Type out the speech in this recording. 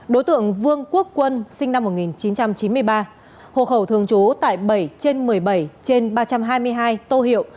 đối tượng vương quốc quân sinh năm một nghìn chín trăm chín mươi ba hộ khẩu thường trú tại bảy trên một mươi bảy trên ba trăm hai mươi hai tô hiệu